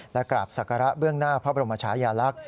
และกราบศักระเบื้องหน้าพระบรมชายาลักษณ์